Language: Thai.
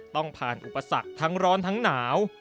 ต้องผ่านอุปสรรคทั้งร้อนทั้งหนาว